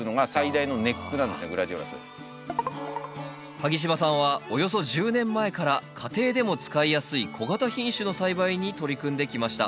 萩島さんはおよそ１０年前から家庭でも使いやすい小型品種の栽培に取り組んできました。